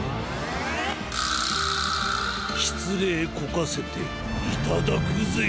しつれいこかせていただくぜ！